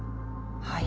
はい。